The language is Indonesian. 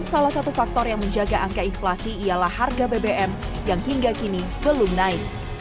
salah satu faktor yang menjaga angka inflasi ialah harga bbm yang hingga kini belum naik